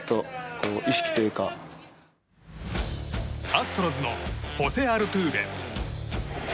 アストロズのホセ・アルトゥーベ。